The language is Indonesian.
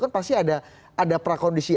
kan pasti ada prakondisi